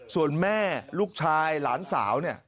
ส่วนแม่ลูกชายหลานสาวเนี่ย